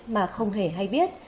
mà không hề hay biết